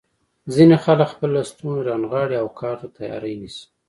ځینې خلک خپل لستوڼي رانغاړي او کار ته تیاری نیسي.